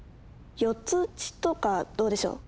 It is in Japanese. ４つ打ちとかどうでしょう？